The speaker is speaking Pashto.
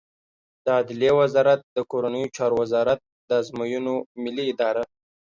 د عدلیې وزارت د کورنیو چارو وزارت، د ازموینو ملی اداره